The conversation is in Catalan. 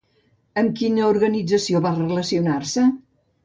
Amb quina organització va relacionar-se?